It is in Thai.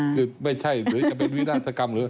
คือไม่ใช่หรือจะเป็นวินาศกรรมหรือ